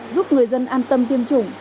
giúp người dân an tâm tiêm chủng